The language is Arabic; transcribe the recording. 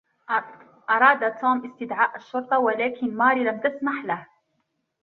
أراد توم استدعاء الشرطة ، ولكن ماري لم تسمح له.